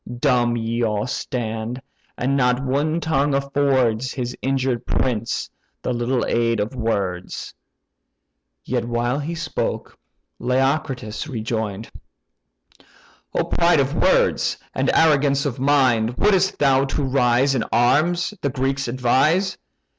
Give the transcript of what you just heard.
Dumb ye all stand, and not one tongue affords His injured prince the little aid of words." While yet he spoke, Leocritus rejoined: "O pride of words, and arrogance of mind! Would'st thou to rise in arms the Greeks advise?